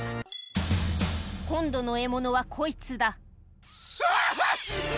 今度の獲物はこいつだあ！